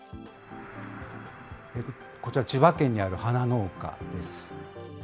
こちら、千葉県にある花農家です。